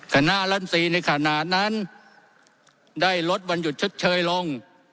คณะลำตีในขณะนั้นได้ลดวันหยุดชดเชยลง